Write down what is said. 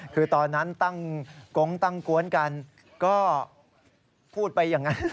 คือตอนนั้นตั้งกงตั้งกวนกันก็พูดไปอย่างนั้น